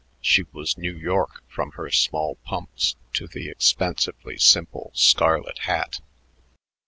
She was New York from her small pumps to the expensively simple scarlet hat.